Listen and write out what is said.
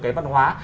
cái văn hóa